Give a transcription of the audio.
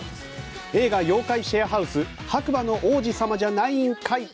映画「妖怪シェアハウス−白馬の王子様じゃないん怪−」